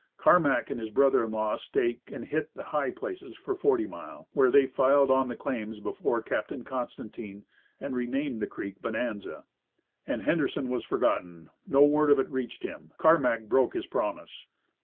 Carmack and his brother in law staked and hit "the high places" for Forty Mile, where they filed on the claims before Captain Constantine, and renamed the creek Bonanza. And Henderson was forgotten. No word of it reached him. Carmack broke his promise.